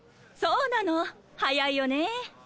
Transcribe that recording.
そうなの早いよね。